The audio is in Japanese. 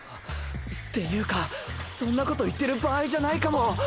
ていうかそんなこと言ってる場合じゃないかも。